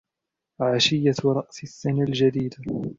عشية رأس السنة الجديدة.